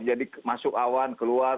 jadi masuk awan keluar